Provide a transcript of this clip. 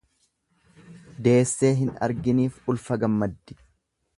Deessee hin arginiif ulfa gammaddi.